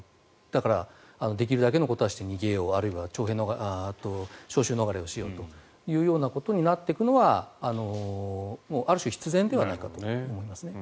だからできるだけのことはして逃げようあるいは招集逃れをしようということになっていくのはもうある種、必然ではないかと思いますね。